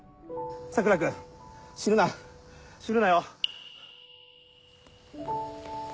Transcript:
桜君死ぬな死ぬなよ